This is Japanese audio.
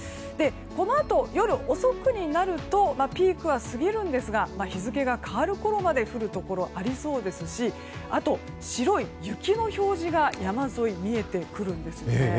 このあと夜遅くになるとピークは過ぎるんですが日付が変わるころまで降るところがありそうですしあと、白い雪の表示が山沿いに見えてくるんですよね。